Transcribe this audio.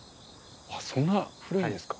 あっそんな古いんですか。